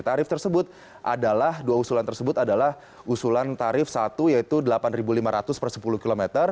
tarif tersebut adalah dua usulan tersebut adalah usulan tarif satu yaitu rp delapan lima ratus per sepuluh km